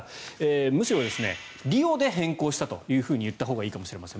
むしろリオで変更したというふうに言ったほうがいいかもしれません。